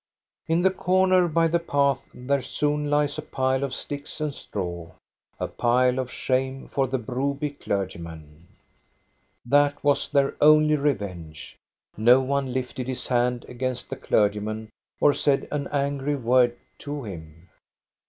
In the corner by the path there soon lies a pile of sticks and straw, — a pile of shame for the Broby clergyman. 378 THE STORY OF GO ST A BERLING That was their only revenge. No one lifted his hand against the clergyman or said an angry word to him.